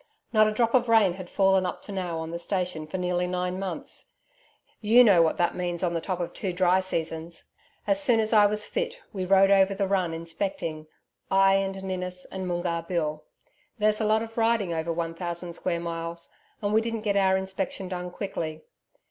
Not a drop of rain had fallen up to now on the station for nearly nine months. YOU know what that means on the top of two dry seasons. As soon as I was fit, we rode over the run inspecting I and Ninnis and Moongarr Bill. There's a lot of riding over one thousand square miles, and we didn't get our inspection done quickly.